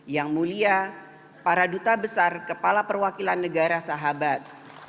yang mulia para duta besar kepala perwakilan negara sahabat